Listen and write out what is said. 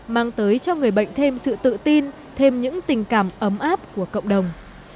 mang tới cho người bệnh thêm sự tự tin thêm những tình cảm ấm áp của cộng đồng